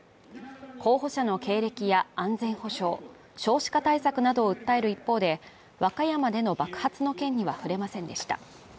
候補者の経歴や安全保障、少子化対策などを訴える一方で、和歌山での爆発の件には触れませんでした。